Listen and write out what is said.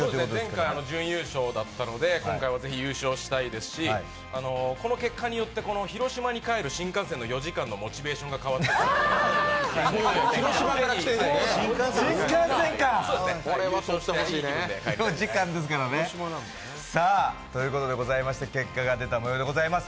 前回準優勝だったので今回はぜひ優勝したいですしこの結果によって、広島に帰る新幹線の４時間のモチベーションが変わるんです。ということでございまして結果が出たようでございます。